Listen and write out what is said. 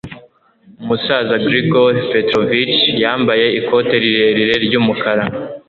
umusaza grigory petrovitch, yambaye ikote rirerire ry'umukara